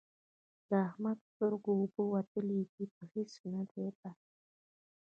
د احمد د سترګو اوبه وتلې دي؛ په هيڅ نه دی بند،